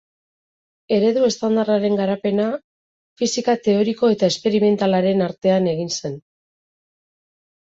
Eredu Estandarraren garapena fisika teoriko eta esperimentalaren artean egin zen.